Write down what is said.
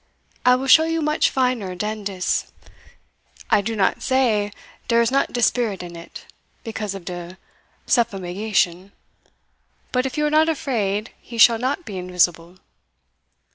I will show you much finer dan dis. I do not say dere is not de spirit in it, because of de suffumigation; but, if you are not afraid, he shall not be invisible."